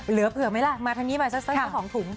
เหลือเผื่อไหมล่ะมาทางนี้มาสัก๒ถุง